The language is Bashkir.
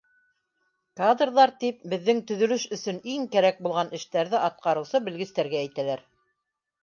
Кадрҙар тип беҙҙең төҙөлөщ өсөн иң кәрәк булған эштәрҙе атҡарыусы белгестәргә әйтәләр.